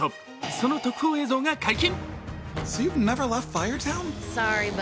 その特報映像が解禁。